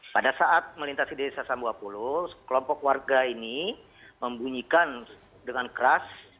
pada saat melintasi desa sampua balo sekelompok warga ini membunyikan dengan keras